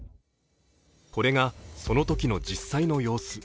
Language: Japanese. これが、そのときの実際の様子。